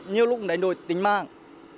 nhiều lúc cũng đánh đuổi tính mạng